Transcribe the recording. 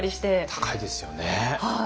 高いですよね。